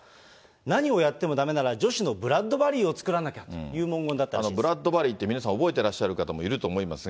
何をやってもだめなら女子のブラッドバリーを作らなきゃという文ブラッドバリーって皆さん、覚えてらっしゃる方もいると思いますが。